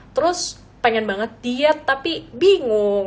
terus pengen banget diet tapi bingung